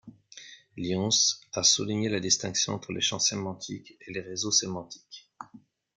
Lyons a souligné la distinction entre les champs sémantiques et les réseaux sémantiques.